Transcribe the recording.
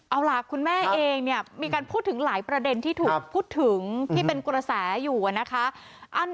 เอาล่ะคุณแม่เองเนี่ยมีการพูดถึงหลายประเด็นที่ถูกพูดถึงที่เป็นกระแสอยู่นะคะ